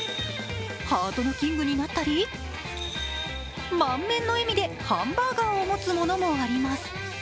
ハートのキングになったり、満面の笑みでハンバーガーを持つものもあります。